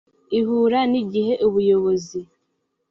ihura n igihe ubuyobozi